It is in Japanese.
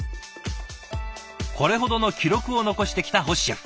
これほどの記録を残してきた星シェフ。